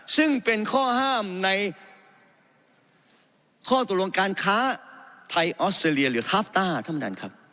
ซึ่งเป็นข้อห้ามในข้อตกลงการค้าไทยออสเตรเลียหรือคาฟต้าท่านประธานครับ